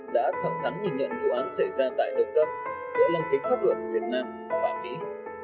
đã thẳng thắn nhìn nhận vụ án xảy ra tại đường tâm giữa lăng kính pháp luật việt nam và mỹ